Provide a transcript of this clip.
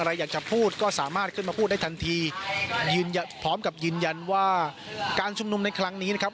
อยากจะพูดก็สามารถขึ้นมาพูดได้ทันทียืนยันพร้อมกับยืนยันว่าการชุมนุมในครั้งนี้นะครับ